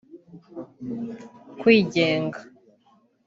kwigenga